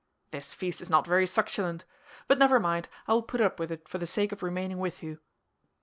"This feast is not very succulent; but never mind, I will put up with it for the sake of remaining with you."